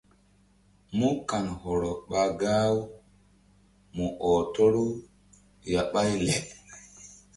Mú kan hɔrɔ ɓa gah-u mu ɔh tɔru ya ɓáy le.